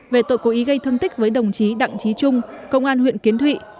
về tội cố ý gây thương tích với đồng chí đặng trí trung công an huyện kiến thụy